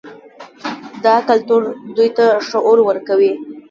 دا کلتور دوی ته شعور ورکوي.